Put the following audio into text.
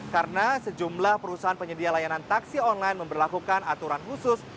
karena sejumlah perusahaan penyedia layanan taksi online memperlakukan aturan khusus